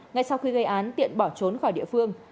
ngay sau khi gây án tiện bỏ trốn khỏi địa phương